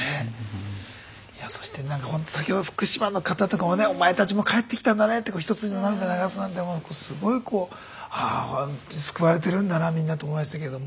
そして先ほど福島の方とかもねお前たちも帰ってきたんだねって一筋の涙を流すなんてすごいこうああほんとに救われてるんだなみんなと思いましたけども。